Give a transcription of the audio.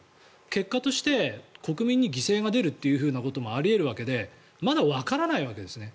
結果として国民に犠牲が出るということもあり得るわけでまだわからないわけですね。